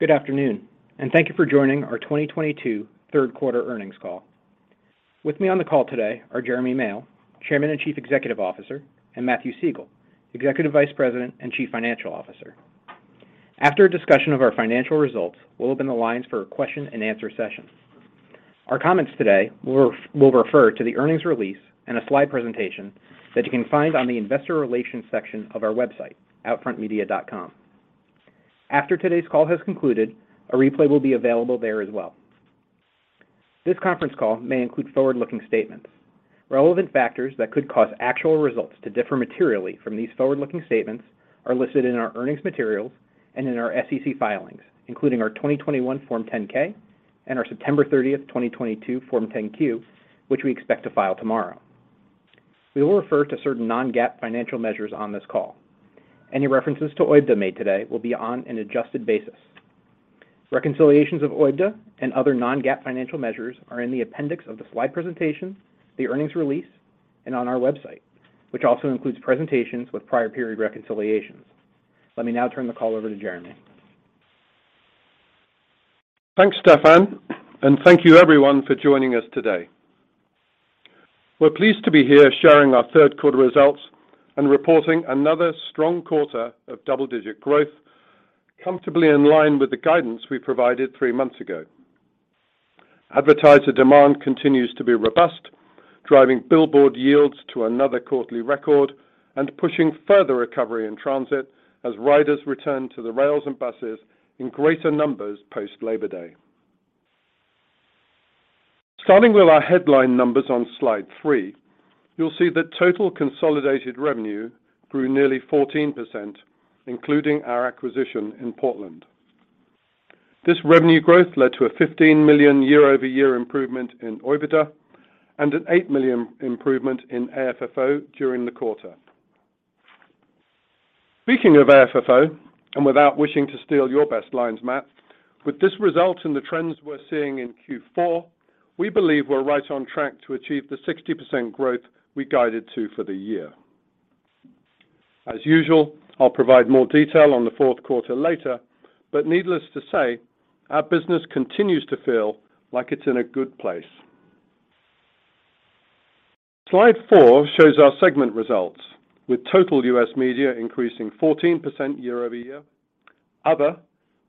Good afternoon, and thank you for joining our 2022 Third Quarter Earnings Call. With me on the call today are Jeremy Male, Chairman and Chief Executive Officer, and Matthew Siegel, Executive Vice President and Chief Financial Officer. After a discussion of our financial results, we'll open the lines for a question and answer session. Our comments today will refer to the earnings release and a slide presentation that you can find on the investor relations section of our website, outfrontmedia.com. After today's call has concluded, a replay will be available there as well. This conference call may include forward-looking statements. Relevant factors that could cause actual results to differ materially from these forward-looking statements are listed in our earnings materials and in our SEC filings, including our 2021 Form 10-K and our September 30, 2022 Form 10-Q, which we expect to file tomorrow. We will refer to certain non-GAAP financial measures on this call. Any references to OIBDA made today will be on an adjusted basis. Reconciliations of OIBDA and other non-GAAP financial measures are in the appendix of the slide presentation, the earnings release, and on our website, which also includes presentations with prior period reconciliations. Let me now turn the call over to Jeremy. Thanks, Stephan, and thank you everyone for joining us today. We're pleased to be here sharing our third quarter results and reporting another strong quarter of double-digit growth, comfortably in line with the guidance we provided three months ago. Advertiser demand continues to be robust, driving billboard yields to another quarterly record and pushing further recovery in transit as riders return to the rails and buses in greater numbers post Labor Day. Starting with our headline numbers on slide three, you'll see that total consolidated revenue grew nearly 14%, including our acquisition in Portland. This revenue growth led to a $15 million year-over-year improvement in OIBDA and an $8 million improvement in AFFO during the quarter. Speaking of AFFO, and without wishing to steal your best lines, Matt, with this result and the trends we're seeing in Q4, we believe we're right on track to achieve the 60% growth we guided to for the year. As usual, I'll provide more detail on the fourth quarter later, but needless to say, our business continues to feel like it's in a good place. Slide four shows our segment results, with total U.S. media increasing 14% year-over-year. Other,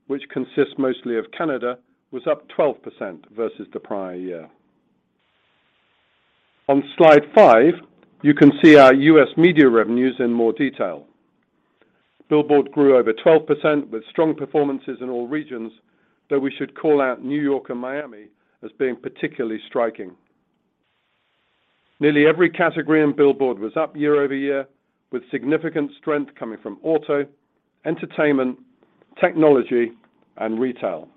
which consists mostly of Canada, was up 12% versus the prior year. On slide five, you can see our U.S. media revenues in more detail. Billboard grew over 12% with strong performances in all regions, though we should call out New York and Miami as being particularly striking. Nearly every category in billboards was up year-over-year, with significant strength coming from auto, entertainment, technology, and retail.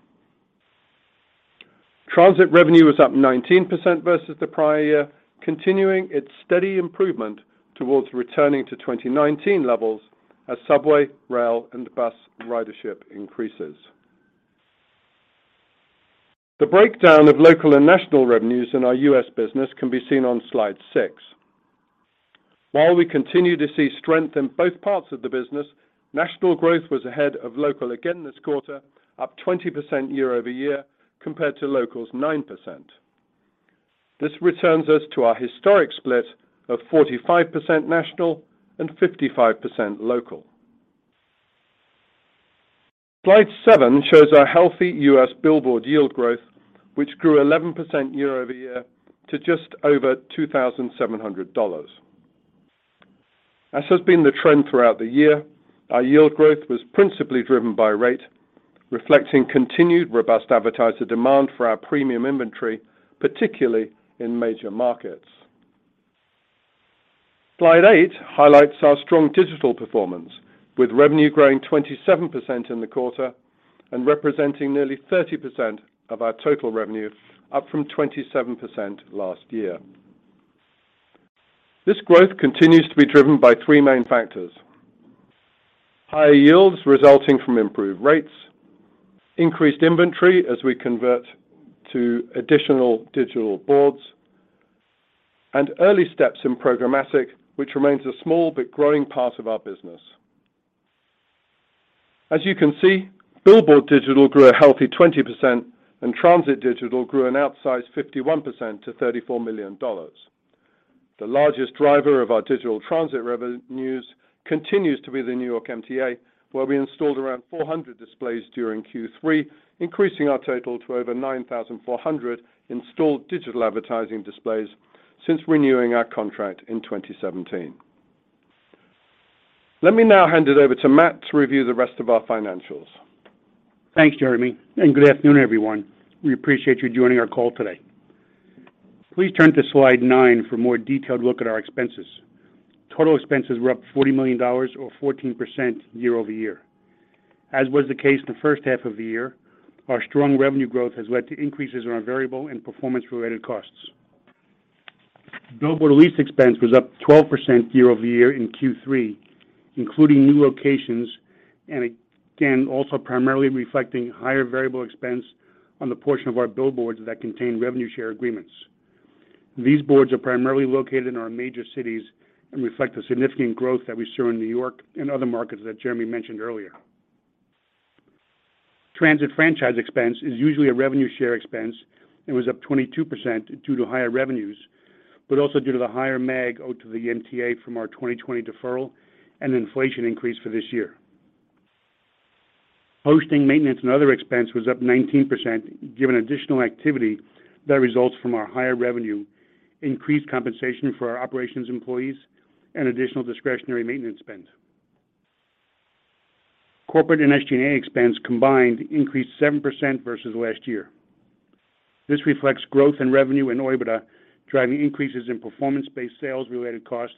Transit revenue was up 19% versus the prior year, continuing its steady improvement towards returning to 2019 levels as subway, rail, and bus ridership increases. The breakdown of local and national revenues in our U.S. business can be seen on slide six. While we continue to see strength in both parts of the business, national growth was ahead of local again this quarter, up 20% year-over-year compared to local's 9%. This returns us to our historic split of 45% national and 55% local. Slide seven shows our healthy U.S. billboards yield growth, which grew 11% year-over-year to just over $2,700. As has been the trend throughout the year, our yield growth was principally driven by rate, reflecting continued robust advertiser demand for our premium inventory, particularly in major markets. Slide eight highlights our strong digital performance, with revenue growing 27% in the quarter and representing nearly 30% of our total revenue, up from 27% last year. This growth continues to be driven by three main factors, higher yields resulting from improved rates, increased inventory as we convert to additional digital boards, and early steps in programmatic, which remains a small but growing part of our business. As you can see, billboard digital grew a healthy 20%, and transit digital grew an outsized 51% to $34 million. The largest driver of our digital transit revenues continues to be the New York MTA, where we installed around 400 displays during Q3, increasing our total to over 9,400 installed digital advertising displays since renewing our contract in 2017. Let me now hand it over to Matt to review the rest of our financials. Thanks, Jeremy, and good afternoon, everyone. We appreciate you joining our call today. Please turn to slide nine for a more detailed look at our expenses. Total expenses were up $40 million or 14% year-over-year. As was the case the first half of the year, our strong revenue growth has led to increases in our variable and performance-related costs. Billboard lease expense was up 12% year-over-year in Q3, including new locations, and again, also primarily reflecting higher variable expense on the portion of our billboards that contain revenue share agreements. These boards are primarily located in our major cities and reflect the significant growth that we saw in New York and other markets that Jeremy mentioned earlier. Transit franchise expense is usually a revenue share expense, and was up 22% due to higher revenues, but also due to the higher MAG owed to the MTA from our 2020 deferral and inflation increase for this year. Hosting, maintenance, and other expense was up 19% given additional activity that results from our higher revenue, increased compensation for our operations employees, and additional discretionary maintenance spend. Corporate and SG&A expense combined increased 7% versus last year. This reflects growth in revenue and OIBDA, driving increases in performance-based sales related costs.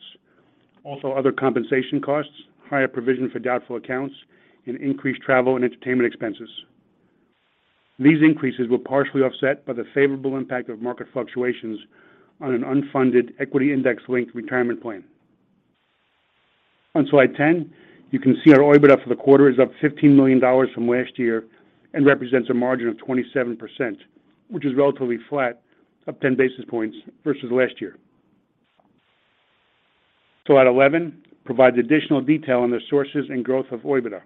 Also other compensation costs, higher provision for doubtful accounts, and increased travel and entertainment expenses. These increases were partially offset by the favorable impact of market fluctuations on an unfunded equity index linked retirement plan. On slide 10, you can see our OIBDA for the quarter is up $15 million from last year and represents a margin of 27%, which is relatively flat, up 10 basis points versus last year. Slide 11 provides additional detail on the sources and growth of OIBDA.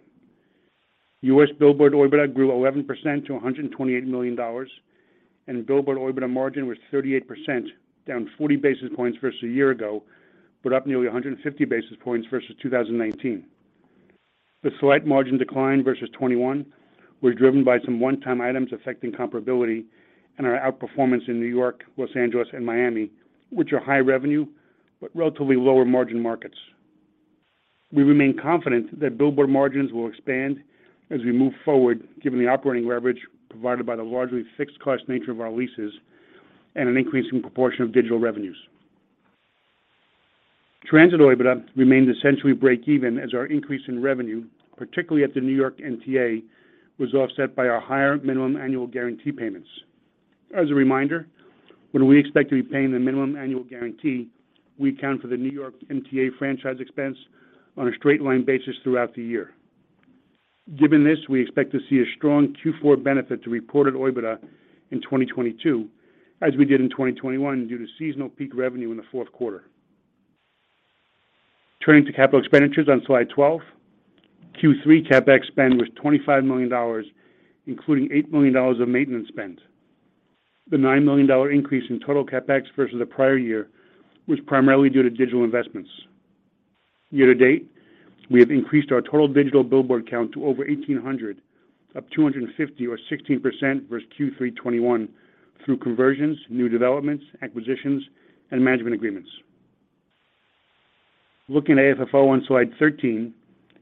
U.S. billboard OIBDA grew 11% to $128 million, and billboard OIBDA margin was 38%, down 40 basis points versus a year ago, but up nearly 150 basis points versus 2019. The slight margin decline versus 2021 were driven by some one-time items affecting comparability and our outperformance in New York, Los Angeles, and Miami, which are high revenue but relatively lower margin markets. We remain confident that billboard margins will expand as we move forward, given the operating leverage provided by the largely fixed cost nature of our leases and an increasing proportion of digital revenues. Transit OIBDA remained essentially break even as our increase in revenue, particularly at the New York MTA, was offset by our higher minimum annual guarantee payments. As a reminder, when we expect to be paying the minimum annual guarantee, we account for the New York MTA franchise expense on a straight line basis throughout the year. Given this, we expect to see a strong Q4 benefit to reported OIBDA in 2022, as we did in 2021, due to seasonal peak revenue in the fourth quarter. Turning to capital expenditures on slide 12. Q3 CapEx spend was $25 million, including $8 million of maintenance spend. The $9 million increase in total CapEx versus the prior year was primarily due to digital investments. Year to date, we have increased our total digital billboard count to over 1,800 up 250 or 16% versus Q3 2021 through conversions, new developments, acquisitions, and management agreements. Looking at AFFO on slide 13,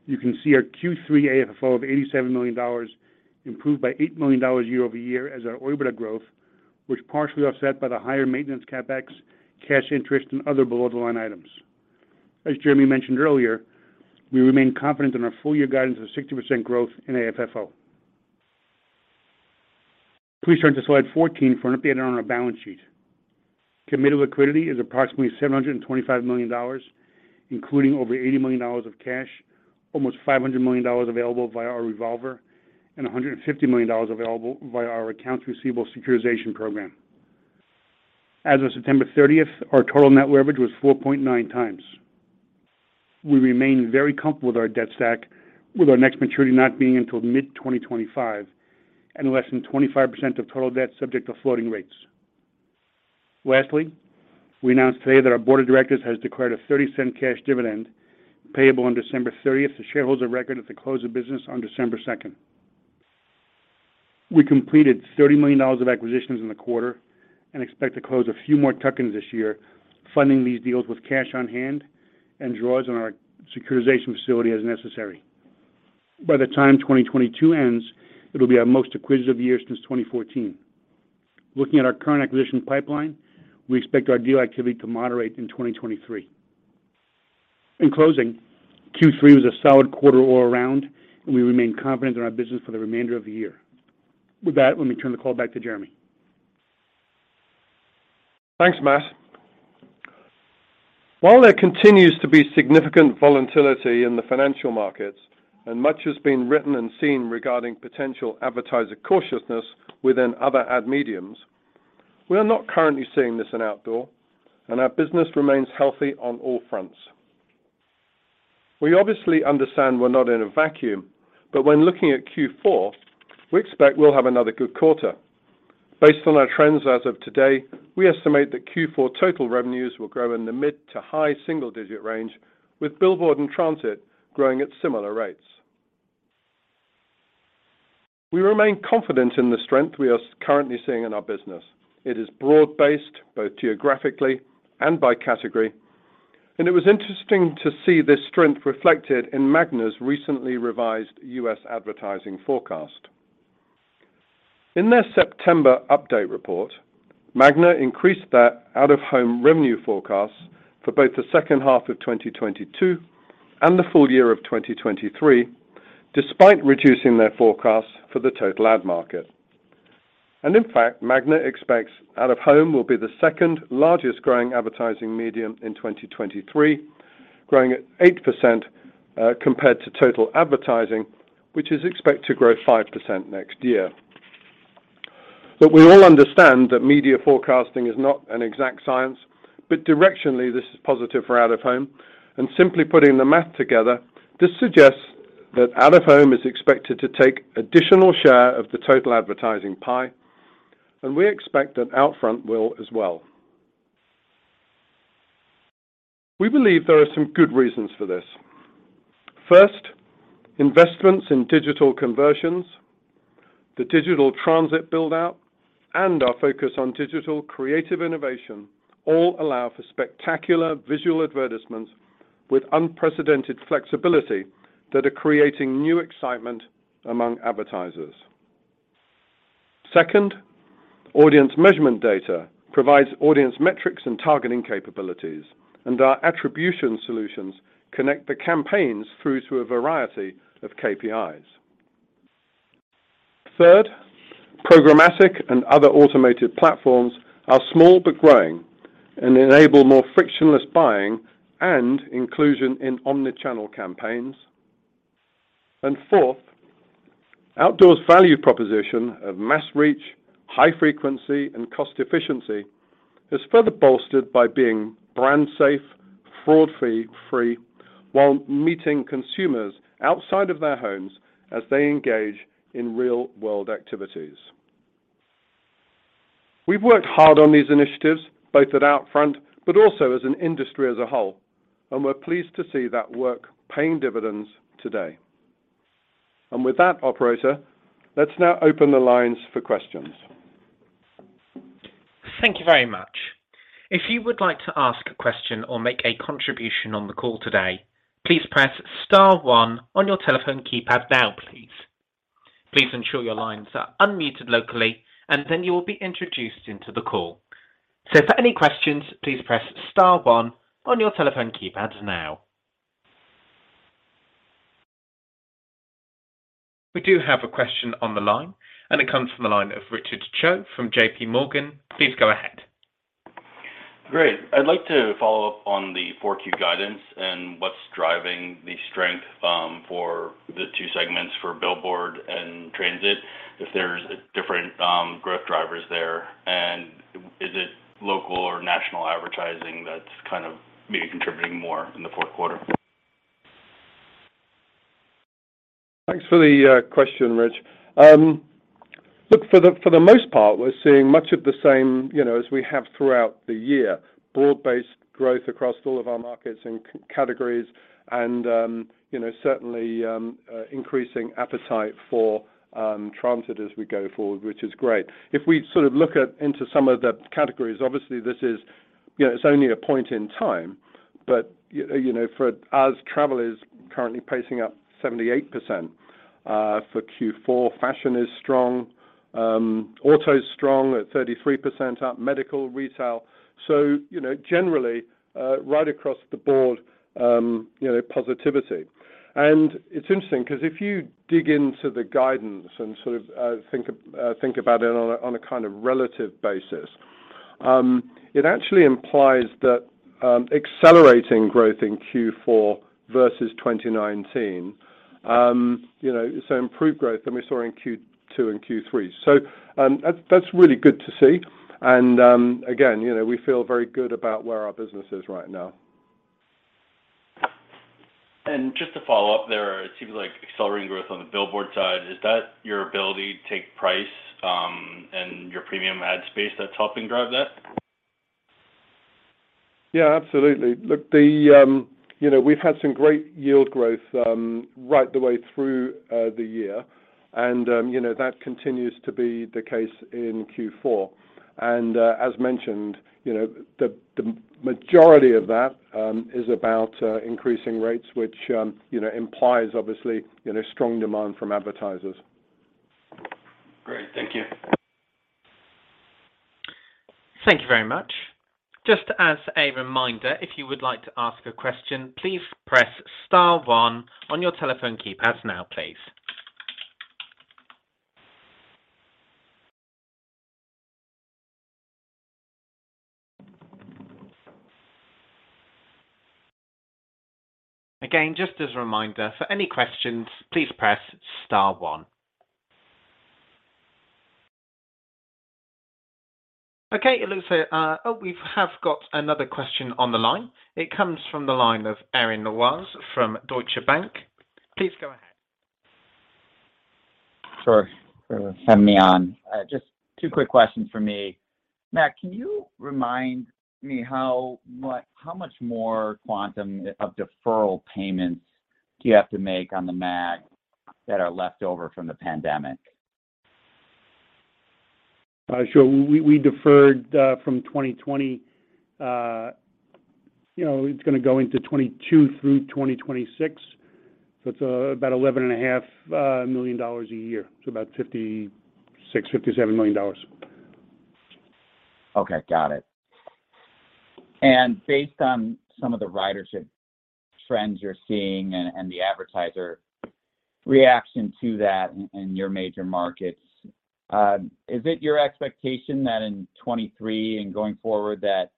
you can see our Q3 AFFO of $87 million improved by $8 million year-over-year as our OIBDA growth was partially offset by the higher maintenance CapEx, cash interest, and other below the line items. As Jeremy mentioned earlier, we remain confident in our full year guidance of 60% growth in AFFO. Please turn to slide 14 for an update on our balance sheet. Committed liquidity is approximately $725 million, including over $80 million of cash, almost $500 million available via our revolver, and $150 million available via our accounts receivable securitization program. As of September 30, our total net leverage was 4.9 times. We remain very comfortable with our debt stack, with our next maturity not being until mid-2025, and less than 25% of total debt subject to floating rates. Lastly, we announced today that our board of directors has declared a 30-cent cash dividend payable on December 30 to shareholders of record at the close of business on December 2. We completed $30 million of acquisitions in the quarter and expect to close a few more tuck-ins this year, funding these deals with cash on hand and draws on our securitization facility as necessary. By the time 2022 ends, it'll be our most acquisitive year since 2014. Looking at our current acquisition pipeline, we expect our deal activity to moderate in 2023. In closing, Q3 was a solid quarter all around, and we remain confident in our business for the remainder of the year. With that, let me turn the call back to Jeremy. Thanks, Matt. While there continues to be significant volatility in the financial markets, and much has been written and seen regarding potential advertiser cautiousness within other ad mediums, we are not currently seeing this in outdoor, and our business remains healthy on all fronts. We obviously understand we're not in a vacuum, but when looking at Q4, we expect we'll have another good quarter. Based on our trends as of today, we estimate that Q4 total revenues will grow in the mid to high single digit range, with billboard and transit growing at similar rates. We remain confident in the strength we are currently seeing in our business. It is broad-based, both geographically and by category, and it was interesting to see this strength reflected in Magna's recently revised U.S. advertising forecast. In their September update report, Magna increased their out-of-home revenue forecasts for both the second half of 2022 and the full year of 2023, despite reducing their forecasts for the total ad market. In fact, Magna expects out-of-home will be the second largest growing advertising medium in 2023, growing at 8%, compared to total advertising, which is expected to grow 5% next year. We all understand that media forecasting is not an exact science, but directionally this is positive for out-of-home, and simply putting the math together, this suggests that out-of-home is expected to take additional share of the total advertising pie, and we expect that OUTFRONT will as well. We believe there are some good reasons for this. First, investments in digital conversions, the digital transit build-out, and our focus on digital creative innovation all allow for spectacular visual advertisements with unprecedented flexibility that are creating new excitement among advertisers. Second, audience measurement data provides audience metrics and targeting capabilities, and our attribution solutions connect the campaigns through to a variety of KPIs. Third, programmatic and other automated platforms are small but growing and enable more frictionless buying and inclusion in omni-channel campaigns. And fourth, outdoor's value proposition of mass reach, high frequency, and cost efficiency is further bolstered by being brand safe, fraud-free, while meeting consumers outside of their homes as they engage in real-world activities. We've worked hard on these initiatives, both at OUTFRONT, but also as an industry as a whole, and we're pleased to see that work paying dividends today. With that, operator, let's now open the lines for questions. Thank you very much. If you would like to ask a question or make a contribution on the call today, please press star one on your telephone keypad now, please. Please ensure your lines are unmuted locally, and then you will be introduced into the call. For any questions, please press star one on your telephone keypad now. We do have a question on the line, and it comes from the line of Richard Choe from JPMorgan. Please go ahead. Great. I'd like to follow up on the 4Q guidance and what's driving the strength, for the two segments for billboard and transit, if there's different growth drivers there. Is it local or national advertising that's kind of maybe contributing more in the fourth quarter? Thanks for the question, Rich. Look, for the most part, we're seeing much of the same, you know, as we have throughout the year. Broad-based growth across all of our markets and categories, and you know, certainly increasing appetite for transit as we go forward, which is great. If we sort of look into some of the categories, obviously this is, you know, it's only a point in time. You know, as travel is currently pacing up 78% for Q4, fashion is strong, auto's strong at 33% up, medical, retail. You know, generally right across the board, you know, positivity. It's interesting because if you dig into the guidance and sort of think about it on a kind of relative basis, it actually implies that accelerating growth in Q4 versus 2019, you know, so improved growth than we saw in Q2 and Q3. That's really good to see. Again, you know, we feel very good about where our business is right now. Just to follow up there, it seems like accelerating growth on the billboard side, is that your ability to take price, and your premium ad space that's helping drive that? Yeah, absolutely. Look, you know, we've had some great yield growth right the way through the year. You know, that continues to be the case in Q4. As mentioned, you know, the majority of that is about increasing rates, which you know implies obviously you know strong demand from advertisers. Great. Thank you. Thank you very much. Just as a reminder, if you would like to ask a question, please press star one on your telephone keypad now, please. Again, just as a reminder, for any questions, please press star one. Okay, it looks like, Oh, we have got another question on the line. It comes from the line of Aaron Watts from Deutsche Bank. Please go ahead. Sure. Thanks for sending me on. Just two quick questions from me. Matt, can you remind me how much more quantum of deferral payments do you have to make on the MAG that are left over from the pandemic? Sure. We deferred from 2020, you know, it's gonna go into 2022 through 2026, so it's about $11.5 million a year. About $56-$57 million. Okay. Got it. Based on some of the ridership trends you're seeing and the advertiser reaction to that in your major markets, is it your expectation that in 2023 and going forward that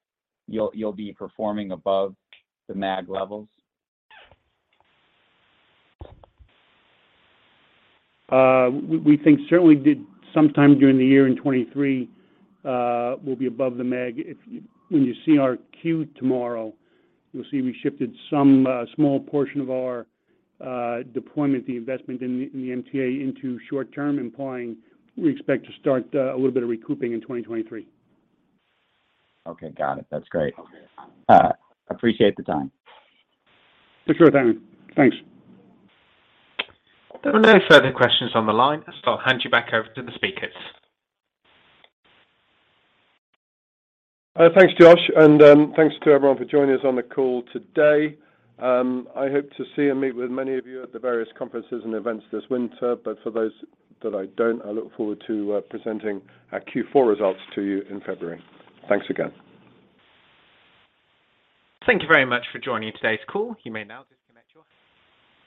you'll be performing above the MAG levels? We think certainly sometime during the year in 2023, we'll be above the MAG. When you see our Q tomorrow, you'll see we shifted some small portion of our deployment, the investment in the MTA into short term, implying we expect to start a little bit of recouping in 2023. Okay. Got it. That's great. Appreciate the time. For sure, Aaron. Thanks. There are no further questions on the line, so I'll hand you back over to the speakers. Thanks, Josh, and thanks to everyone for joining us on the call today. I hope to see and meet with many of you at the various conferences and events this winter, but for those that I don't, I look forward to presenting our Q4 results to you in February. Thanks again. Thank you very much for joining today's call. You may now disconnect your.